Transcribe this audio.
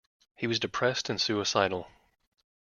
He was depressed and suicidal.